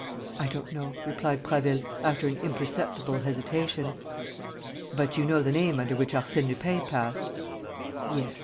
"I don't know," replied Prasville, after an imperceptible hesitation. "But you know the name under which Arsène Lupin passed?" "Yes. M.